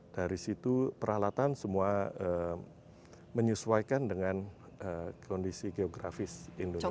dari situ peralatan semua menyesuaikan dengan kondisi geografis indonesia